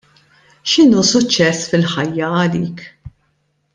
X'inhu suċċess fil-ħajja għalik?